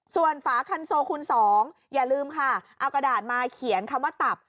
ส่วนฝาคันโซคูณ๒อย่าลืมค่ะเอากระดาษมาเขียนคำว่าตับ